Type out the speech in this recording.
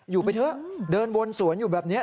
อยู่ไปเถอะเดินวนสวนอยู่แบบนี้